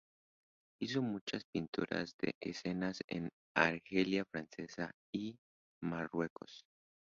Hizo muchas pinturas de escenas en la Argelia francesa y Marruecos.